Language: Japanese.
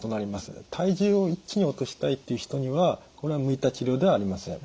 体重を一気に落としたいっていう人にはこれは向いた治療ではありません。